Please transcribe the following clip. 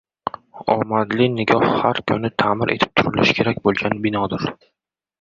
Omadli nikoh har kuni ta’mir etib turilishi kerak bo‘lgan binodir.